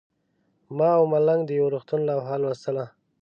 ما او ملنګ د یو روغتون لوحه لوستله.